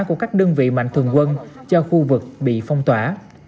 của các đơn vị mạnh thường quân cho khu vực bị phong tỏa